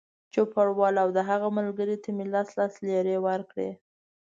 چوپړوال او د هغه ملګري ته مې لس لس لېرې ورکړې.